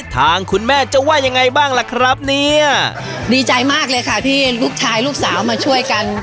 ทางคุณแม่จะว่ายังไงบ้างล่ะครับเนี่ยดีใจมากเลยค่ะที่ลูกชายลูกสาวมาช่วยกัน